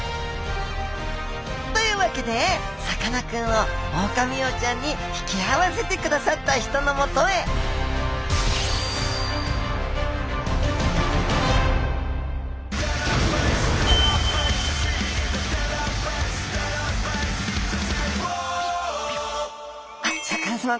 というわけでさかなクンをオオカミウオちゃんに引き合わせてくださった人のもとへシャーク香音さま